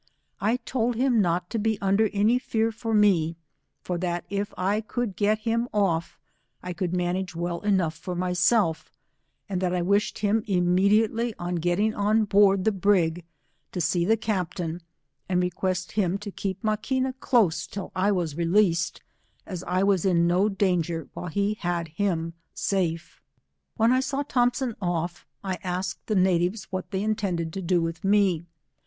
I told him not to be under any fear for me, for that if I could get him off, I could manage well enough for myself, and Hiat I wished him immediately on getting on board the brig, to see the captain and request him to keep Maquina close till I was released, as I was in no danger while he had him safe. When I saw Thompson off, I asked the natives R 2 188 what they intended to do with me.